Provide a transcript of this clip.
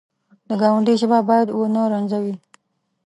د ګاونډي ژبه باید ونه رنځوي